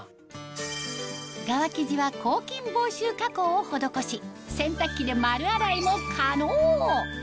側生地は抗菌防臭加工を施し洗濯機で丸洗いも可能！